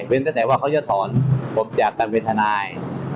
เป็นตั้งแต่ว่าเขาจะถอนผมจากการเป็นทนาย